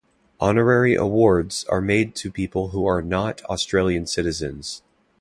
Honorary awards are made to people who are not Australian citizens.